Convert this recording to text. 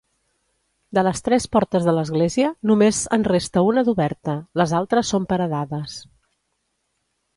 De les tres portes de l'església, només en resta una d'oberta, les altres són paredades.